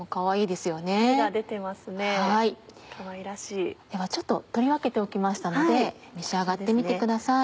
ではちょっと取り分けておきましたので召し上がってみてください。